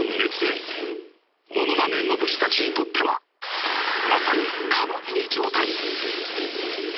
［ものまねの武士たちにとってはまさに］